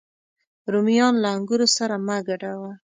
رومیان له انګورو سره مه ګډوه